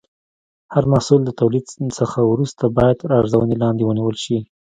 هر محصول له تولید څخه وروسته باید تر ارزونې لاندې ونیول شي.